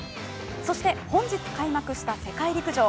そして本日開幕した世界陸上